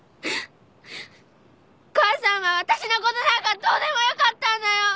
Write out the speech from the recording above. お母さんは私のことなんかどうでもよかったんだよ！